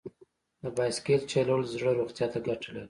د بایسکل چلول د زړه روغتیا ته ګټه لري.